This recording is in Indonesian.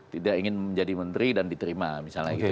tidak ingin menjadi menteri dan diterima misalnya gitu